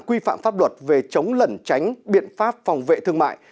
quy phạm pháp luật về chống lẩn tránh biện pháp phòng vệ thương mại